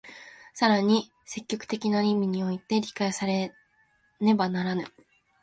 更に積極的な意味において理解されねばならぬ。